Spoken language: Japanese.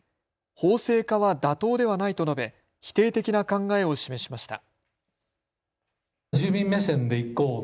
法制化は妥当ではないと述べ否定的な考えを示しました。